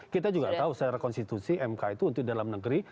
kita juga tahu secara konstitusi mk itu untuk dalam negeri